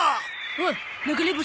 おっ流れ星。